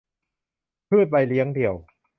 พืชใบเลี้ยงเดี่ยว